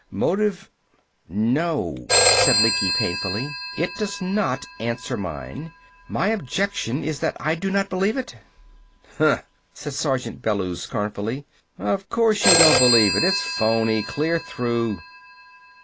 Motive " "No," said Lecky painfully. "It does not answer mine. My objection is that I do not believe it." "Huh!" said Sergeant Bellews scornfully. "O' course, you don't believe it! It's phoney clear through!"